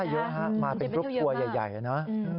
ใช่เยอะมาเป็นครูปครัวใหญ่นะ